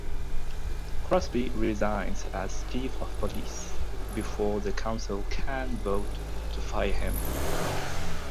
Crosby resigns as Chief of Police before the Council can vote to fire him.